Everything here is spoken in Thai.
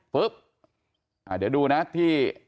เดี๋ยวดูนะที่